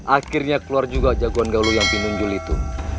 akhirnya keluar juga jagoan gaulu yang pinunjul itu